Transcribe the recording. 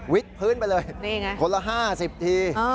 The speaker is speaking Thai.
วิทย์พื้นไปเลยคนละ๕๐ที